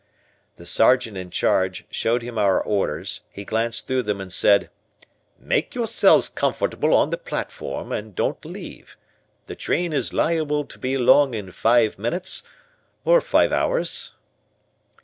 The Sergeant in charge showed him our orders; he glanced through them and said, "Make yourselves comfortable on the platform and don't leave, the train is liable to be along in five minutes or five hours."